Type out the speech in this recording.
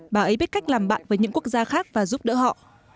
bà ấy biết cách làm bạn với những quốc gia khác và giúp đỡ họ